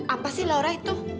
apa sih laura itu